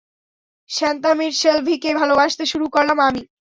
সেন্তামিড়সেলভিকে ভালোবাসতে শুরু করলাম আমি।